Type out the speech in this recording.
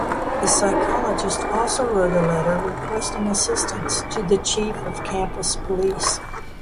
The psychologist also wrote a letter requesting assistance to the chief of campus police.